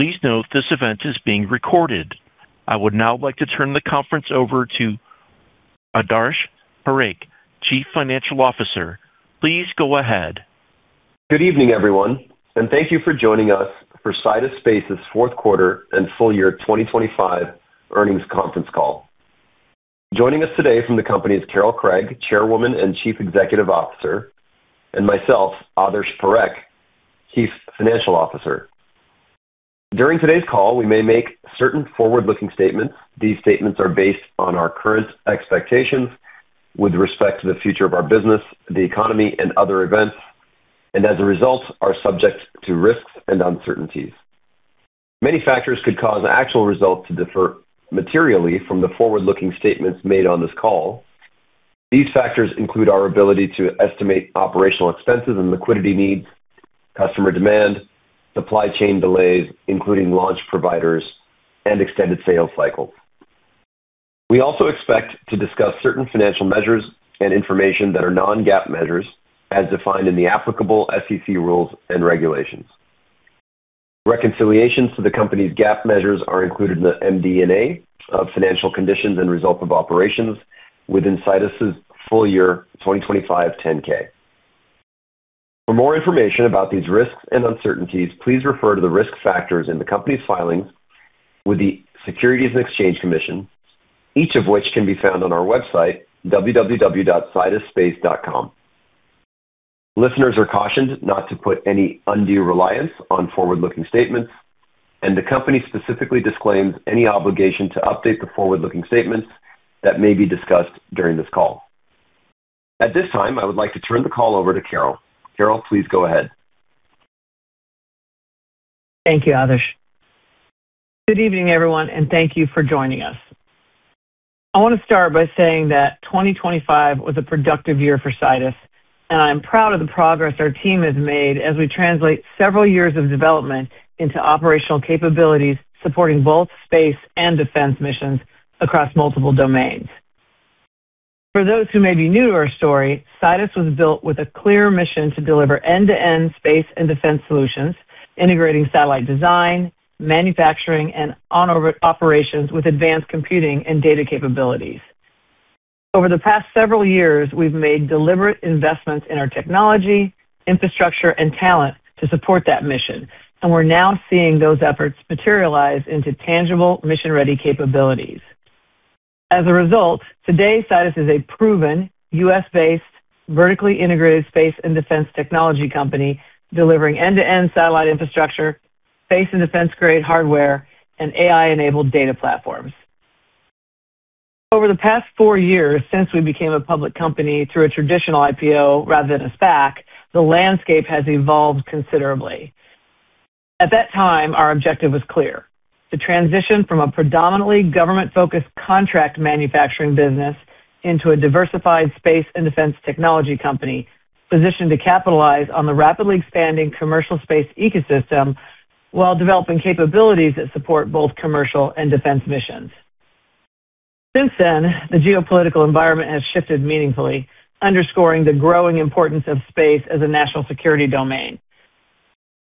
Please note this event is being recorded. I would now like to turn the conference over to Adarsh Parekh, Chief Financial Officer. Please go ahead. Good evening, everyone, and thank you for joining us for Sidus Space's fourth quarter and full year 2025 earnings conference call. Joining us today from the company is Carol Craig, Chairwoman and Chief Executive Officer, and myself, Adarsh Parekh, Chief Financial Officer. During today's call, we may make certain forward-looking statements. These statements are based on our current expectations with respect to the future of our business, the economy, and other events, and as a result, are subject to risks and uncertainties. Many factors could cause actual results to differ materially from the forward-looking statements made on this call. These factors include our ability to estimate operational expenses and liquidity needs, customer demand, supply chain delays, including launch providers, and extended sales cycles. We also expect to discuss certain financial measures and information that are non-GAAP measures as defined in the applicable SEC rules and regulations. Reconciliations to the company's GAAP measures are included in the MD&A of financial conditions and results of operations within Sidus's full year 2025 10-K. For more information about these risks and uncertainties, please refer to the risk factors in the company's filings with the Securities and Exchange Commission, each of which can be found on our website, www.sidusspace.com. Listeners are cautioned not to put any undue reliance on forward-looking statements, and the company specifically disclaims any obligation to update the forward-looking statements that may be discussed during this call. At this time, I would like to turn the call over to Carol. Carol, please go ahead. Thank you, Adarsh. Good evening, everyone, and thank you for joining us. I wanna start by saying that 2025 was a productive year for Sidus, and I'm proud of the progress our team has made as we translate several years of development into operational capabilities supporting both space and defense missions across multiple domains. For those who may be new to our story, Sidus was built with a clear mission to deliver end-to-end space and defense solutions, integrating satellite design, manufacturing, and operations with advanced computing and data capabilities. Over the past several years, we've made deliberate investments in our technology, infrastructure, and talent to support that mission, and we're now seeing those efforts materialize into tangible mission-ready capabilities. As a result, today Sidus is a proven U.S.-based, vertically integrated space and defense technology company delivering end-to-end satellite infrastructure, space- and defense-grade hardware, and AI-enabled data platforms. Over the past four years, since we became a public company through a traditional IPO rather than a SPAC, the landscape has evolved considerably. At that time, our objective was clear, to transition from a predominantly government-focused contract manufacturing business into a diversified space and defense technology company positioned to capitalize on the rapidly expanding commercial space ecosystem while developing capabilities that support both commercial and defense missions. Since then, the geopolitical environment has shifted meaningfully, underscoring the growing importance of space as a national security domain.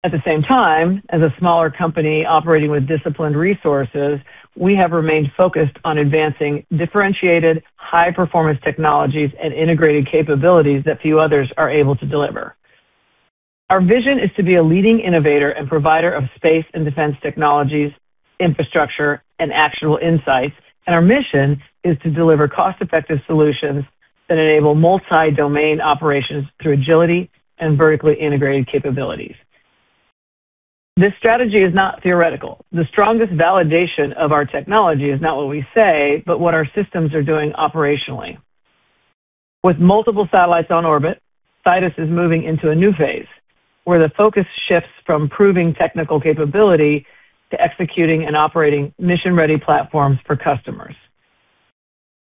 At the same time, as a smaller company operating with disciplined resources, we have remained focused on advancing differentiated high-performance technologies and integrated capabilities that few others are able to deliver. Our vision is to be a leading innovator and provider of space and defense technologies, infrastructure, and actionable insights, and our mission is to deliver cost-effective solutions that enable multi-domain operations through agility and vertically integrated capabilities. This strategy is not theoretical. The strongest validation of our technology is not what we say, but what our systems are doing operationally. With multiple satellites on orbit, Sidus is moving into a new phase where the focus shifts from proving technical capability to executing and operating mission-ready platforms for customers.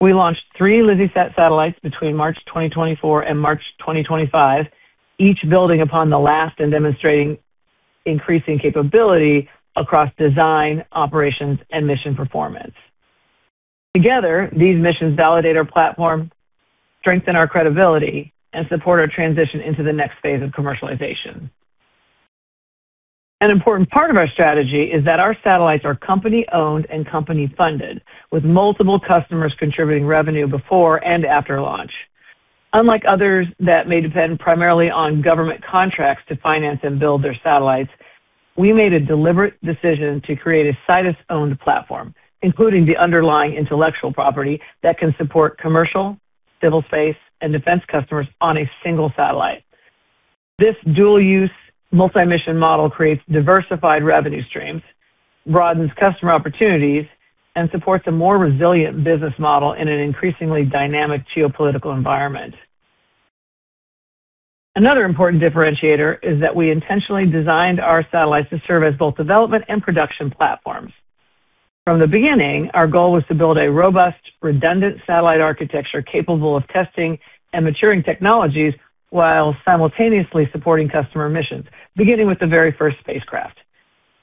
We launched three LizzieSat satellites between March 2024 and March 2025, each building upon the last and demonstrating increasing capability across design, operations, and mission performance. Together, these missions validate our platform, strengthen our credibility, and support our transition into the next phase of commercialization. An important part of our strategy is that our satellites are company-owned and company-funded, with multiple customers contributing revenue before and after launch. Unlike others that may depend primarily on government contracts to finance and build their satellites, we made a deliberate decision to create a Sidus-owned platform, including the underlying intellectual property that can support commercial, civil space, and defense customers on a single satellite. This dual-use multi-mission model creates diversified revenue streams, broadens customer opportunities, and supports a more resilient business model in an increasingly dynamic geopolitical environment. Another important differentiator is that we intentionally designed our satellites to serve as both development and production platforms. From the beginning, our goal was to build a robust, redundant satellite architecture capable of testing and maturing technologies while simultaneously supporting customer missions, beginning with the very first spacecraft.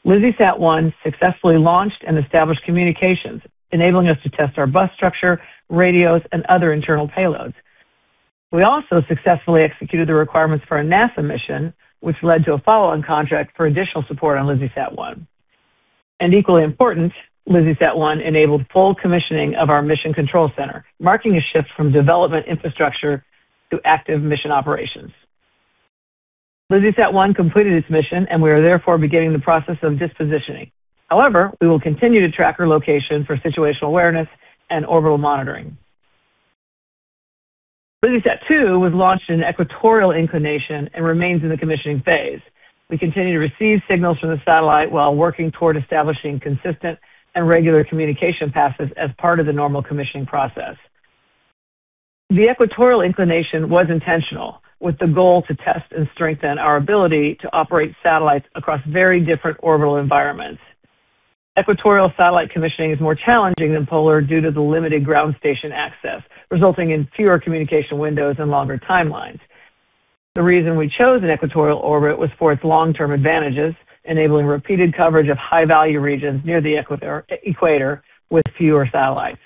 LizzieSat-1 successfully launched and established communications, enabling us to test our bus structure, radios, and other internal payloads. We also successfully executed the requirements for a NASA mission, which led to a follow-on contract for additional support on LizzieSat-1. Equally important, LizzieSat-1 enabled full commissioning of our mission control center, marking a shift from development infrastructure to active mission operations. LizzieSat-1 completed its mission, and we are therefore beginning the process of dispositioning. However, we will continue to track her location for situational awareness and orbital monitoring. LizzieSat-2 was launched in equatorial inclination and remains in the commissioning phase. We continue to receive signals from the satellite while working toward establishing consistent and regular communication passes as part of the normal commissioning process. The equatorial inclination was intentional, with the goal to test and strengthen our ability to operate satellites across very different orbital environments. Equatorial satellite commissioning is more challenging than polar due to the limited ground station access, resulting in fewer communication windows and longer timelines. The reason we chose an equatorial orbit was for its long-term advantages, enabling repeated coverage of high-value regions near the equator with fewer satellites.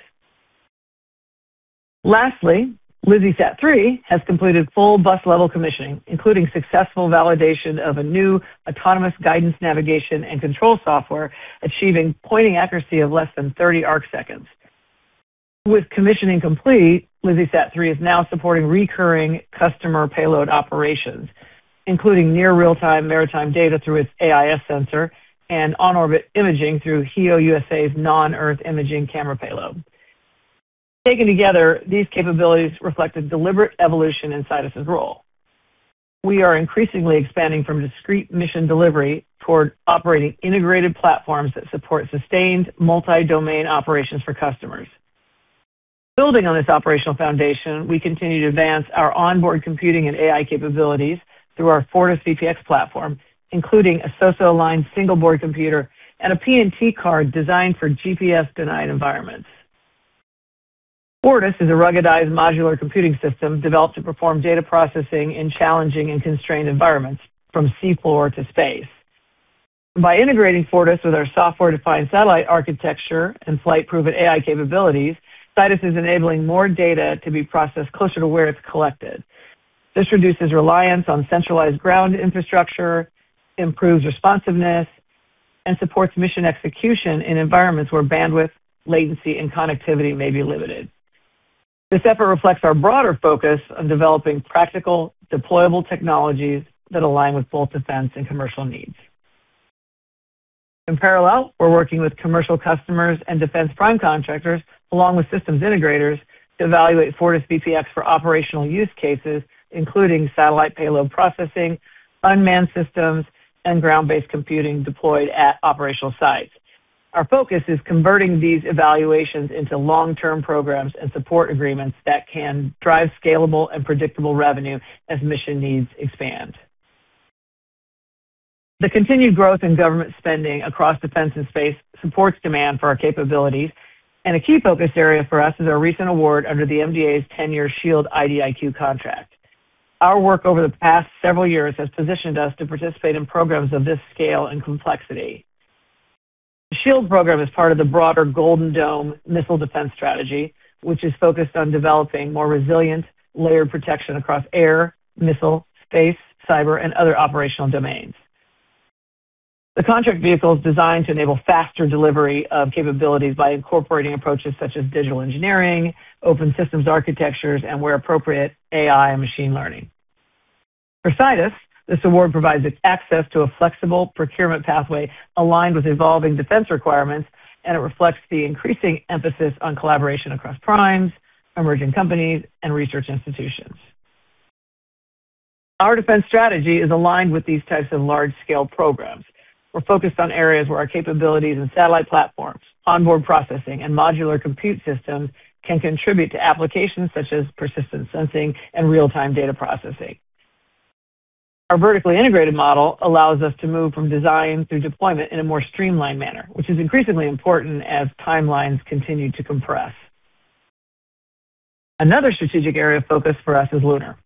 Lastly, LizzieSat-3 has completed full bus level commissioning, including successful validation of a new autonomous guidance navigation and control software, achieving pointing accuracy of less than 30 arc seconds. With commissioning complete, LizzieSat-3 is now supporting recurring customer payload operations, including near real-time maritime data through its AIS sensor and on-orbit imaging through HEO USA's non-Earth imaging camera payload. Taken together, these capabilities reflect a deliberate evolution in Sidus's role. We are increasingly expanding from discrete mission delivery toward operating integrated platforms that support sustained multi-domain operations for customers. Building on this operational foundation, we continue to advance our onboard computing and AI capabilities through our Fortis VPX platform, including a SOSA-aligned single board computer and a PNT card designed for GPS-denied environments. Fortis is a ruggedized modular computing system developed to perform data processing in challenging and constrained environments from seafloor to space. By integrating Fortis with our software-defined satellite architecture and flight-proven AI capabilities, Sidus is enabling more data to be processed closer to where it's collected. This reduces reliance on centralized ground infrastructure, improves responsiveness, and supports mission execution in environments where bandwidth, latency, and connectivity may be limited. This effort reflects our broader focus on developing practical, deployable technologies that align with both defense and commercial needs. In parallel, we're working with commercial customers and defense prime contractors, along with systems integrators, to evaluate Fortis VPX for operational use cases, including satellite payload processing, unmanned systems, and ground-based computing deployed at operational sites. Our focus is converting these evaluations into long-term programs and support agreements that can drive scalable and predictable revenue as mission needs expand. The continued growth in government spending across defense and space supports demand for our capabilities, and a key focus area for us is our recent award under the MDA's 10-year SHIELD IDIQ contract. Our work over the past several years has positioned us to participate in programs of this scale and complexity. The SHIELD program is part of the broader Golden Dome missile defense strategy, which is focused on developing more resilient layered protection across air, missile, space, cyber, and other operational domains. The contract vehicle is designed to enable faster delivery of capabilities by incorporating approaches such as digital engineering, open systems architectures, and, where appropriate, AI and machine learning. For Sidus, this award provides it access to a flexible procurement pathway aligned with evolving defense requirements, and it reflects the increasing emphasis on collaboration across primes, emerging companies, and research institutions. Our defense strategy is aligned with these types of large-scale programs. We're focused on areas where our capabilities and satellite platforms, onboard processing, and modular compute systems can contribute to applications such as persistent sensing and real-time data processing. Our vertically integrated model allows us to move from design through deployment in a more streamlined manner, which is increasingly important as timelines continue to compress. Another strategic area of focus for us is lunar.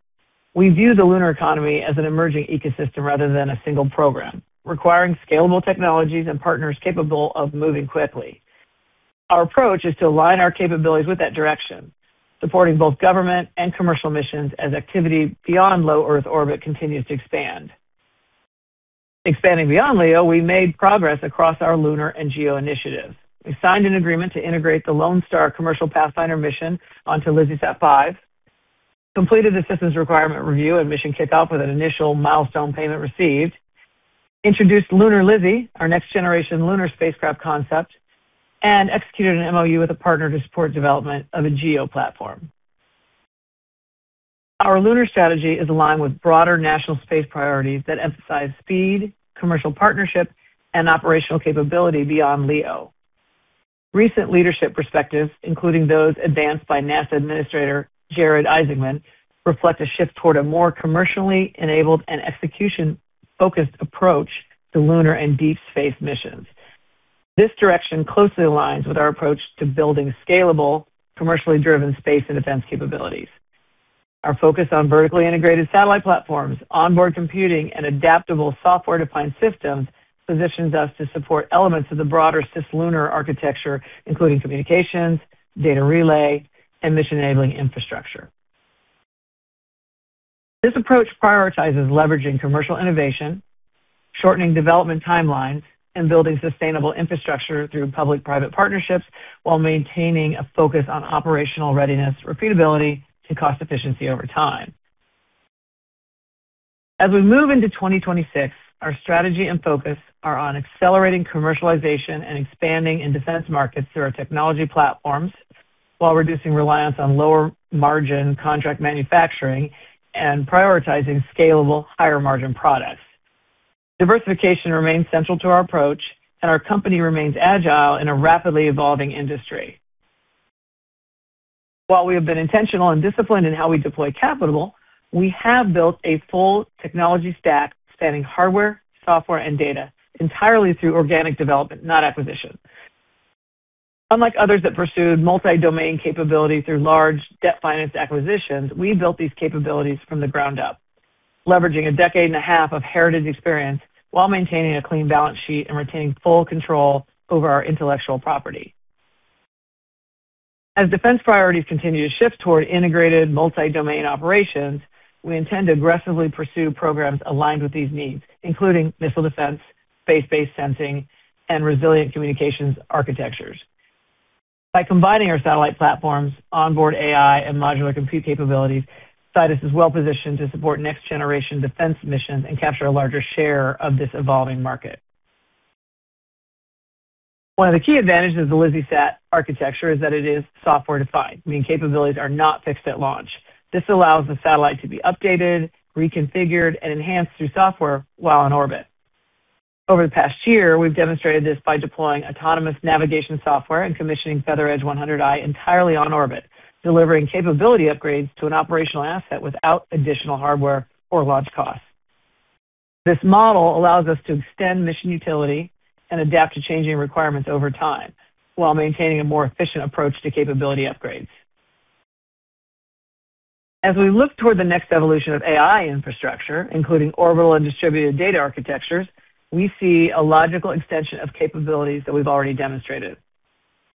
We view the lunar economy as an emerging ecosystem rather than a single program, requiring scalable technologies and partners capable of moving quickly. Our approach is to align our capabilities with that direction, supporting both government and commercial missions as activity beyond low Earth orbit continues to expand. Expanding beyond LEO, we made progress across our lunar and GEO initiatives. We signed an agreement to integrate the Lonestar commercial pathfinder mission onto LizzieSat-5, completed a systems requirement review and mission kickoff with an initial milestone payment received, introduced LunarLizzie, our next generation lunar spacecraft concept, and executed an MOU with a partner to support development of a GEO platform. Our lunar strategy is aligned with broader national space priorities that emphasize speed, commercial partnership, and operational capability beyond LEO. Recent leadership perspectives, including those advanced by NASA Administrator Jared Isaacman, reflect a shift toward a more commercially enabled and execution-focused approach to lunar and deep space missions. This direction closely aligns with our approach to building scalable, commercially driven space and defense capabilities. Our focus on vertically integrated satellite platforms, onboard computing, and adaptable software-defined systems positions us to support elements of the broader cislunar architecture, including communications, data relay, and mission-enabling infrastructure. This approach prioritizes leveraging commercial innovation, shortening development timelines, and building sustainable infrastructure through public-private partnerships while maintaining a focus on operational readiness, repeatability, and cost efficiency over time. As we move into 2026, our strategy and focus are on accelerating commercialization and expanding in defense markets through our technology platforms while reducing reliance on lower-margin contract manufacturing and prioritizing scalable higher-margin products. Diversification remains central to our approach, and our company remains agile in a rapidly evolving industry. While we have been intentional and disciplined in how we deploy capital, we have built a full technology stack spanning hardware, software, and data entirely through organic development, not acquisition. Unlike others that pursued multi-domain capabilities through large debt-financed acquisitions, we built these capabilities from the ground up, leveraging a decade and a half of heritage experience while maintaining a clean balance sheet and retaining full control over our intellectual property. As defense priorities continue to shift toward integrated multi-domain operations, we intend to aggressively pursue programs aligned with these needs, including missile defense, space-based sensing, and resilient communications architectures. By combining our satellite platforms, onboard AI, and modular compute capabilities, Sidus is well-positioned to support next-generation defense missions and capture a larger share of this evolving market. One of the key advantages of the LizzieSat architecture is that it is software-defined, meaning capabilities are not fixed at launch. This allows the satellite to be updated, reconfigured, and enhanced through software while in orbit. Over the past year, we've demonstrated this by deploying autonomous navigation software and commissioning FeatherEdge 100i entirely on orbit, delivering capability upgrades to an operational asset without additional hardware or launch costs. This model allows us to extend mission utility and adapt to changing requirements over time while maintaining a more efficient approach to capability upgrades. As we look toward the next evolution of AI infrastructure, including orbital and distributed data architectures, we see a logical extension of capabilities that we've already demonstrated.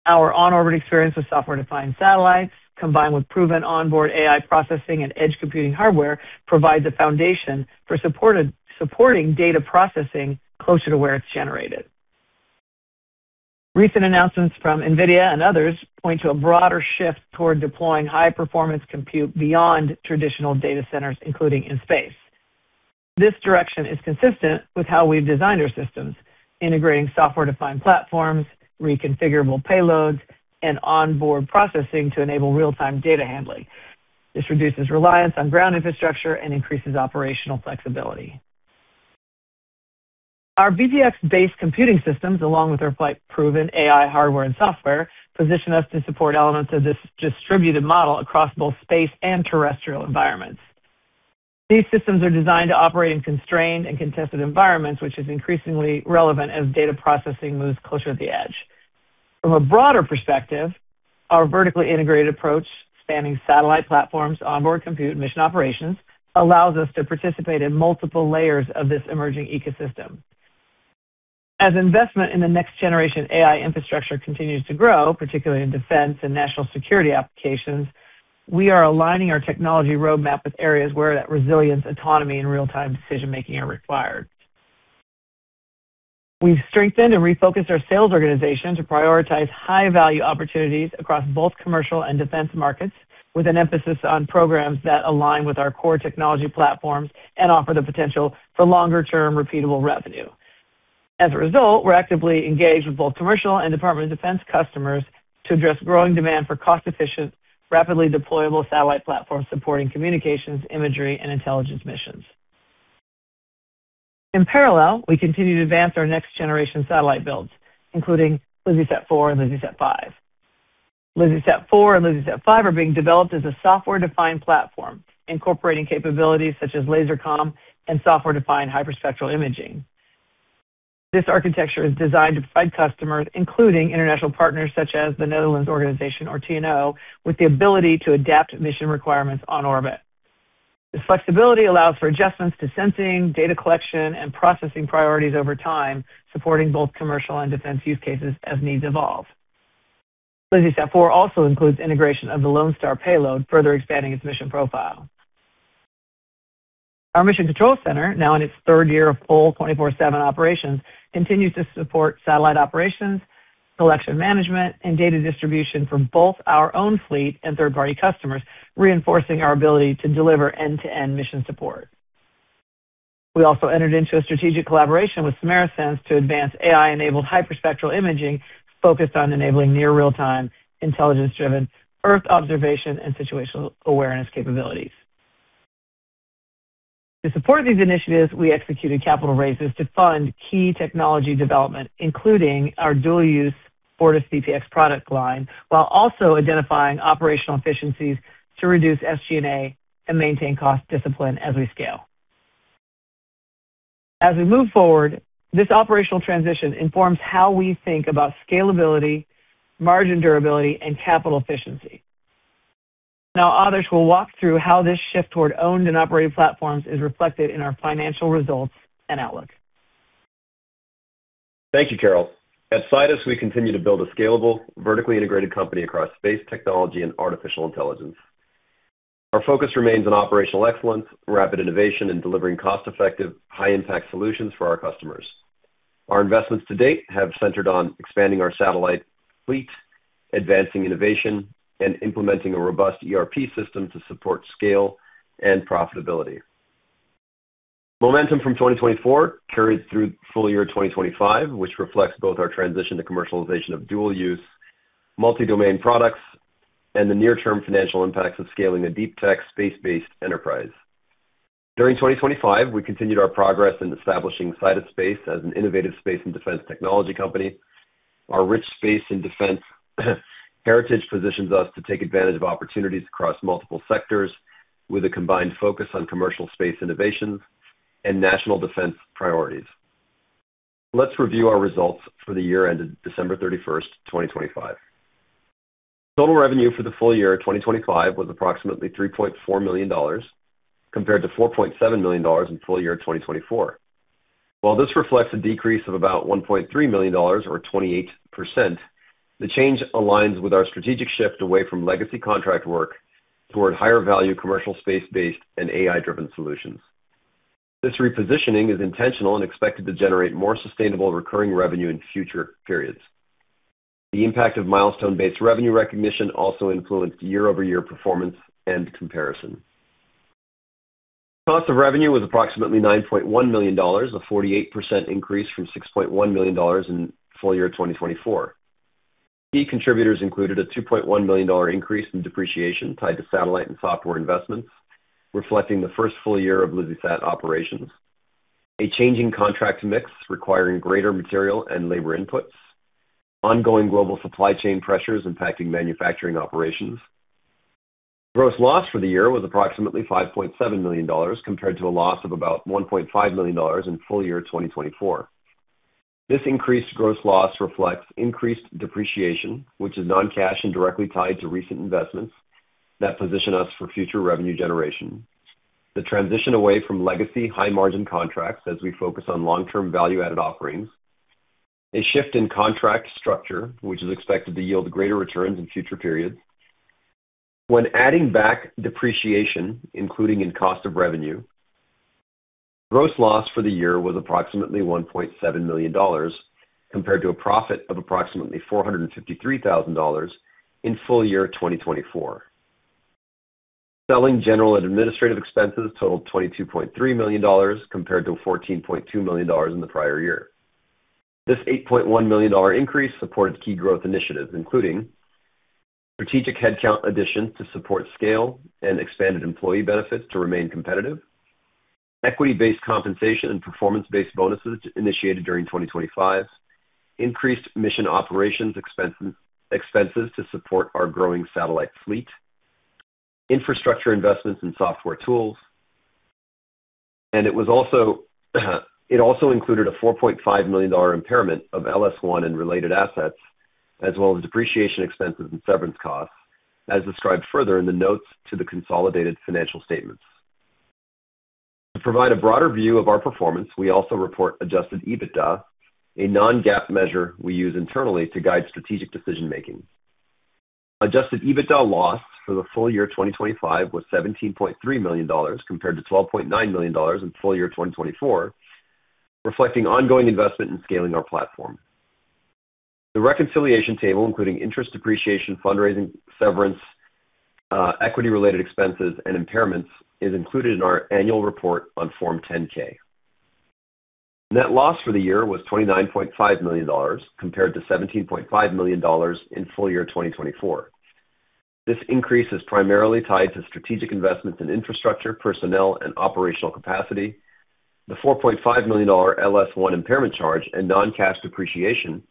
Our on-orbit experience with software-defined satellites, combined with proven onboard AI processing and edge computing hardware, provides a foundation for supporting data processing closer to where it's generated. Recent announcements from Nvidia and others point to a broader shift toward deploying high-performance compute beyond traditional data centers, including in space. This direction is consistent with how we've designed our systems, integrating software-defined platforms, reconfigurable payloads, and onboard processing to enable real-time data handling. This reduces reliance on ground infrastructure and increases operational flexibility. Our VPX-based computing systems, along with our flight-proven AI hardware and software, position us to support elements of this distributed model across both space and terrestrial environments. These systems are designed to operate in constrained and contested environments, which is increasingly relevant as data processing moves closer to the edge. From a broader perspective, our vertically integrated approach, spanning satellite platforms, onboard compute, and mission operations, allows us to participate in multiple layers of this emerging ecosystem. As investment in the next-generation AI infrastructure continues to grow, particularly in defense and national security applications, we are aligning our technology roadmap with areas where that resilience, autonomy, and real-time decision-making are required. We've strengthened and refocused our sales organization to prioritize high-value opportunities across both commercial and defense markets, with an emphasis on programs that align with our core technology platforms and offer the potential for longer-term repeatable revenue. As a result, we're actively engaged with both commercial and Department of Defense customers to address growing demand for cost-efficient, rapidly deployable satellite platforms supporting communications, imagery, and intelligence missions. In parallel, we continue to advance our next-generation satellite builds, including LizzieSat-4 and LizzieSat-5. LizzieSat-4 and LizzieSat-5 are being developed as a software-defined platform incorporating capabilities such as laser comm and software-defined hyperspectral imaging. This architecture is designed to provide customers, including international partners such as the Netherlands Organisation, or TNO, with the ability to adapt mission requirements on orbit. This flexibility allows for adjustments to sensing, data collection, and processing priorities over time, supporting both commercial and defense use cases as needs evolve. LizzieSat-4 also includes integration of the Lonestar payload, further expanding its mission profile. Our Mission Control Center, now in its third year of full 24/7 operations, continues to support satellite operations, collection management, and data distribution from both our own fleet and third-party customers, reinforcing our ability to deliver end-to-end mission support. We also entered into a strategic collaboration with Simera Sense to advance AI-enabled hyperspectral imaging focused on enabling near real-time, intelligence-driven Earth observation and situational awareness capabilities. To support these initiatives, we executed capital raises to fund key technology development, including our dual-use Fortis VPX product line, while also identifying operational efficiencies to reduce SG&A and maintain cost discipline as we scale. As we move forward, this operational transition informs how we think about scalability, margin durability, and capital efficiency. Now others will walk through how this shift toward owned and operated platforms is reflected in our financial results and outlook. Thank you, Carol. At Sidus, we continue to build a scalable, vertically integrated company across space technology and artificial intelligence. Our focus remains on operational excellence, rapid innovation and delivering cost-effective, high-impact solutions for our customers. Our investments to date have centered on expanding our satellite fleet, advancing innovation, and implementing a robust ERP system to support scale and profitability. Momentum from 2024 carried through full year 2025, which reflects both our transition to commercialization of dual-use multi-domain products and the near-term financial impacts of scaling a deep tech space-based enterprise. During 2025, we continued our progress in establishing Sidus Space as an innovative space and defense technology company. Our rich space and defense heritage positions us to take advantage of opportunities across multiple sectors with a combined focus on commercial space innovation and national defense priorities. Let's review our results for the year ended December 31, 2025. Total revenue for the full year 2025 was approximately $3.4 million compared to $4.7 million in full year 2024. While this reflects a decrease of about $1.3 million or 28%, the change aligns with our strategic shift away from legacy contract work toward higher value commercial space-based and AI-driven solutions. This repositioning is intentional and expected to generate more sustainable recurring revenue in future periods. The impact of milestone-based revenue recognition also influenced year-over-year performance and comparison. Cost of revenue was approximately $9.1 million, a 48% increase from $6.1 million in full year 2024. Key contributors included a $2.1 million increase in depreciation tied to satellite and software investments, reflecting the first full year of LizzieSat operations, a changing contract mix requiring greater material and labor inputs, ongoing global supply chain pressures impacting manufacturing operations. Gross loss for the year was approximately $5.7 million compared to a loss of about $1.5 million in full year 2024. This increased gross loss reflects increased depreciation, which is non-cash and directly tied to recent investments that position us for future revenue generation, the transition away from legacy high-margin contracts as we focus on long-term value-added offerings, a shift in contract structure, which is expected to yield greater returns in future periods. When adding back depreciation, including in cost of revenue, gross loss for the year was approximately $1.7 million compared to a profit of approximately $453,000 in full year 2024. Selling, general, and administrative expenses totaled $22.3 million compared to $14.2 million in the prior year. This $8.1 million increase supported key growth initiatives, including strategic headcount additions to support scale and expanded employee benefits to remain competitive, equity-based compensation and performance-based bonuses initiated during 2025, increased mission operations expenses to support our growing satellite fleet, infrastructure investments in software tools, and it also included a $4.5 million impairment of LS-1 and related assets, as well as depreciation expenses and severance costs, as described further in the notes to the consolidated financial statements. To provide a broader view of our performance, we also report adjusted EBITDA, a non-GAAP measure we use internally to guide strategic decision-making. Adjusted EBITDA loss for the full year 2025 was $17.3 million compared to $12.9 million in full year 2024, reflecting ongoing investment in scaling our platform. The reconciliation table, including interest depreciation, fundraising, severance, equity-related expenses and impairments, is included in our annual report on Form 10-K. Net loss for the year was $29.5 million compared to $17.5 million in full year 2024. This increase is primarily tied to strategic investments in infrastructure, personnel and operational capacity. The $4.5 million LS-1 impairment charge and non-cash depreciation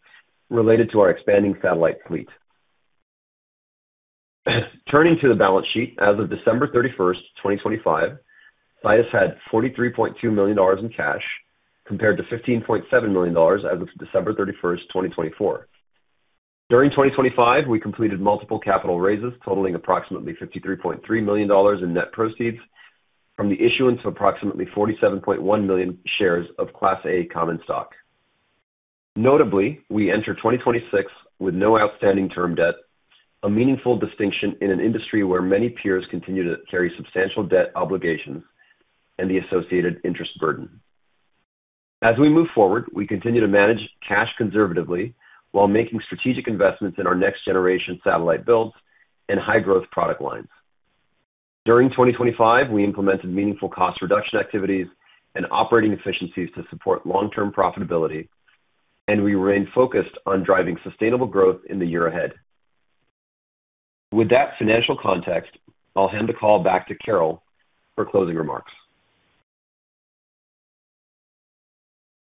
related to our expanding satellite fleet. Turning to the balance sheet, as of December 31, 2025, Sidus had $43.2 million in cash compared to $15.7 million as of December 31, 2024. During 2025, we completed multiple capital raises totaling approximately $53.3 million in net proceeds from the issuance of approximately 47.1 million shares of Class A common stock. Notably, we enter 2026 with no outstanding term debt, a meaningful distinction in an industry where many peers continue to carry substantial debt obligations and the associated interest burden. As we move forward, we continue to manage cash conservatively while making strategic investments in our next-generation satellite builds and high-growth product lines. During 2025, we implemented meaningful cost reduction activities and operating efficiencies to support long-term profitability, and we remain focused on driving sustainable growth in the year ahead. With that financial context, I'll hand the call back to Carol for closing remarks.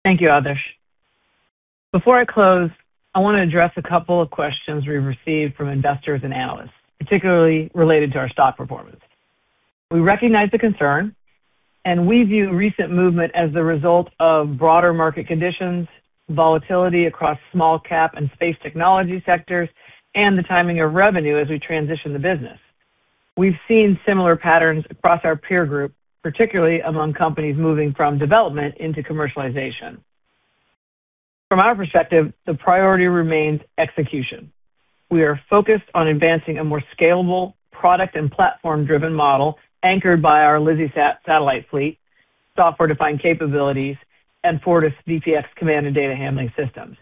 Thank you, Adarsh. Before I close, I wanna address a couple of questions we've received from investors and analysts, particularly related to our stock performance. We recognize the concern, and we view recent movement as the result of broader market conditions, volatility across small cap and space technology sectors, and the timing of revenue as we transition the business. We've seen similar patterns across our peer group, particularly among companies moving from development into commercialization. From our perspective, the priority remains execution. We are focused on advancing a more scalable product and platform-driven model anchored by our LizzieSat satellite fleet, software-defined capabilities, and Fortis VPX command and data handling systems.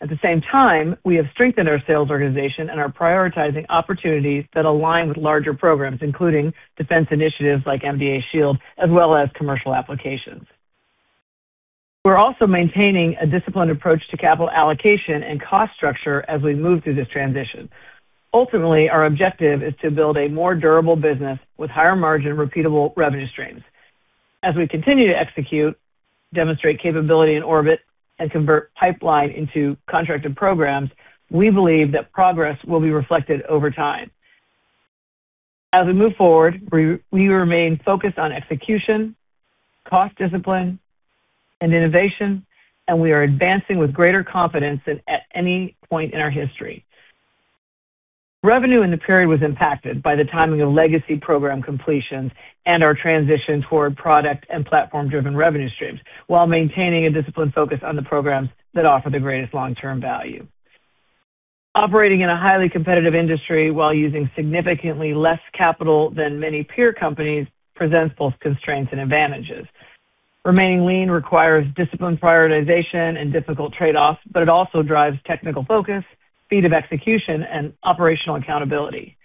At the same time, we have strengthened our sales organization and are prioritizing opportunities that align with larger programs, including defense initiatives like MDA SHIELD, as well as commercial applications. We're also maintaining a disciplined approach to capital allocation and cost structure as we move through this transition. Ultimately, our objective is to build a more durable business with higher margin, repeatable revenue streams. As we continue to execute, demonstrate capability in orbit, and convert pipeline into contracted programs, we believe that progress will be reflected over time. As we move forward, we remain focused on execution, cost discipline, and innovation, and we are advancing with greater confidence than at any point in our history. Revenue in the period was impacted by the timing of legacy program completions and our transition toward product and platform-driven revenue streams, while maintaining a disciplined focus on the programs that offer the greatest long-term value. Operating in a highly competitive industry while using significantly less capital than many peer companies presents both constraints and advantages. Remaining lean requires disciplined prioritization and difficult trade-offs, but it also drives technical focus, speed of execution, and operational accountability.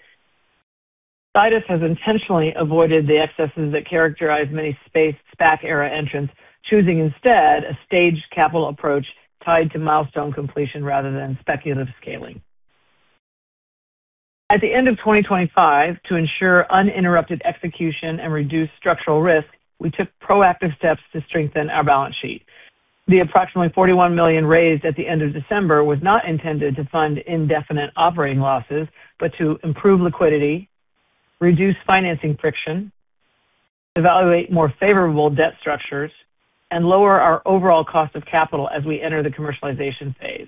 Sidus has intentionally avoided the excesses that characterize many space SPAC-era entrants, choosing instead a staged capital approach tied to milestone completion rather than speculative scaling. At the end of 2025, to ensure uninterrupted execution and reduce structural risk, we took proactive steps to strengthen our balance sheet. The approximately $41 million raised at the end of December was not intended to fund indefinite operating losses, but to improve liquidity, reduce financing friction, evaluate more favorable debt structures, and lower our overall cost of capital as we enter the commercialization phase.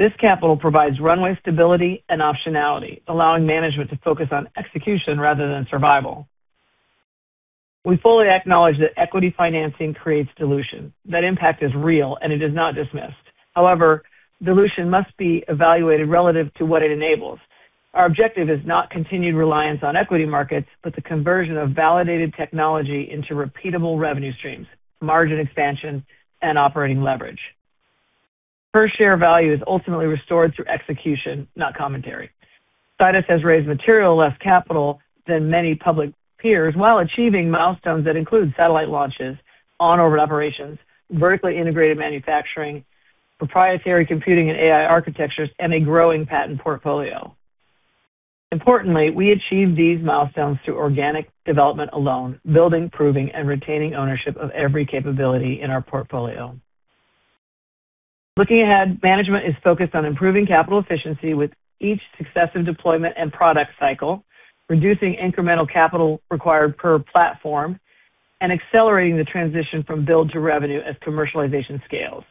This capital provides runway stability and optionality, allowing management to focus on execution rather than survival. We fully acknowledge that equity financing creates dilution. That impact is real, and it is not dismissed. However, dilution must be evaluated relative to what it enables. Our objective is not continued reliance on equity markets, but the conversion of validated technology into repeatable revenue streams, margin expansion, and operating leverage. Per share value is ultimately restored through execution, not commentary. Sidus has raised material less capital than many public peers while achieving milestones that include satellite launches, on-orbit operations, vertically integrated manufacturing, proprietary computing and AI architectures, and a growing patent portfolio. Importantly, we achieve these milestones through organic development alone, building, proving, and retaining ownership of every capability in our portfolio. Looking ahead, management is focused on improving capital efficiency with each successive deployment and product cycle, reducing incremental capital required per platform, and accelerating the transition from build to revenue as commercialization scales.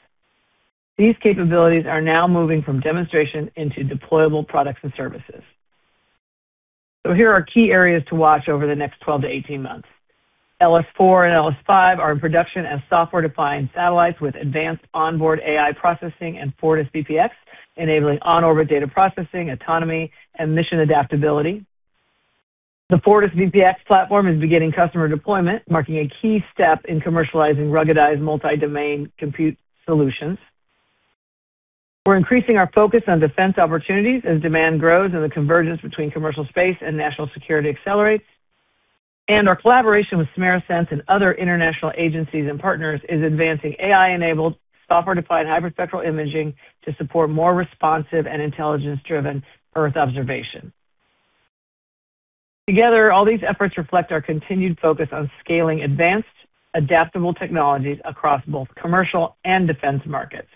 These capabilities are now moving from demonstration into deployable products and services. Here are key areas to watch over the next 12 to 18 months. LS-4 and LS-5 are in production as software-defined satellites with advanced onboard AI processing and Fortis VPX, enabling on-orbit data processing, autonomy, and mission adaptability. The Fortis VPX platform is beginning customer deployment, marking a key step in commercializing ruggedized multi-domain compute solutions. We're increasing our focus on defense opportunities as demand grows and the convergence between commercial space and national security accelerates. Our collaboration with Simera Sense and other international agencies and partners is advancing AI-enabled software-defined hyperspectral imaging to support more responsive and intelligence-driven earth observation. Together, all these efforts reflect our continued focus on scaling advanced, adaptable technologies across both commercial and defense markets.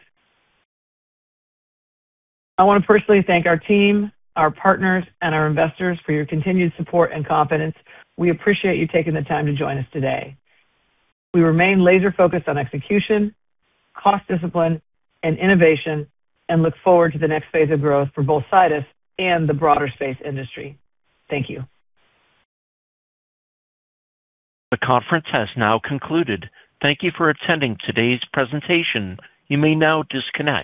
I wanna personally thank our team, our partners, and our investors for your continued support and confidence. We appreciate you taking the time to join us today. We remain laser-focused on execution, cost discipline, and innovation, and look forward to the next phase of growth for both Sidus and the broader space industry. Thank you. The conference has now concluded. Thank you for attending today's presentation. You may now disconnect.